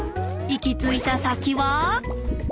行き着いた先は。